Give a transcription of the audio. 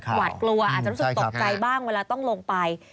หวาดกลัวอาจจะรู้สึกตกใจบ้างเวลาต้องลงไป